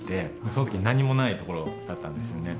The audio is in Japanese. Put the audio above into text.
その時何もないところだったんですよね。